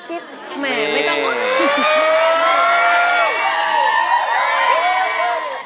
แหมไม่ต้องหรอก